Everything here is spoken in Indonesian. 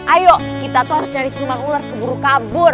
ayo kita tuh harus cari siluman ular keburu kabur